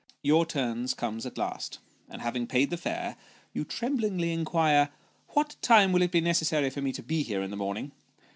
Your turn comes at last, and having paid the fare, you tremblingly inquire " What time will it be necessary for me to be here in the morning